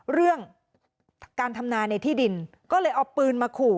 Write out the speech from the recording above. เรื่องการทำนายในที่ดินก็เลยเอาปืนมาขู่